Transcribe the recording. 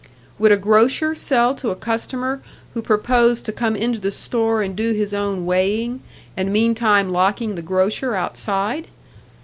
Would a grocer sell to a customer who proposed to come into the store and do his own weighing and meantime locking the grocer outside?